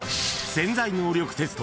［『潜在能力テスト』